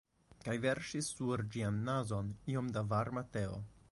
Kaj verŝis sur ĝian nazon iom da varma teo.